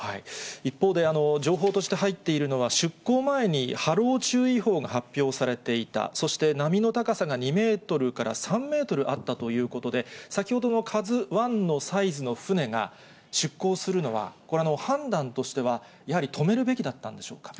一方で、情報として入っているのは、出航前に、波浪注意報が発表されていた、そして波の高さが２メートルから３メートルあったということで、先ほどのカズワンのサイズの船が出航するのは、これは判断としては、やはり止めるべきだったんでしょうか。